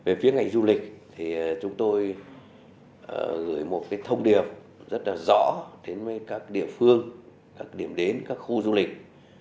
về phía ngành du lịch thì chúng tôi gửi một thông điệp rất là rõ đến với các địa phương các điểm đến các khu du lịch